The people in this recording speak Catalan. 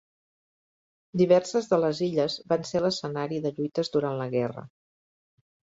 Diverses de les illes van ser l'escenari de lluites durant la guerra.